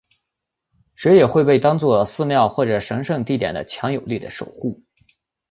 蛇也会被当做寺庙或者神圣地点的强有力的守护。